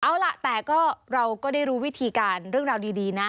เอาล่ะแต่ก็เราก็ได้รู้วิธีการเรื่องราวดีนะ